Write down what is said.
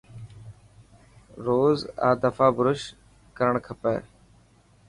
روز آ دفا برش ڪرڻ کپي.